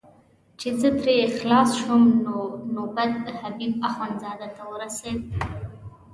چې زه ترې خلاص شوم نو نوبت حبیب اخندزاده ته ورسېد.